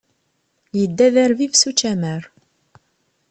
Yedda d arbib s učamar.